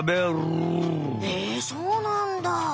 えそうなんだ。